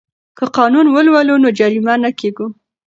که قانون ولولو نو جریمه نه کیږو.